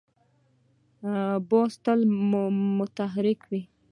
باز تل متحرک وي